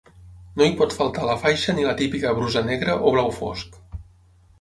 No hi pot faltar la faixa ni la típica brusa negra o blau fosc.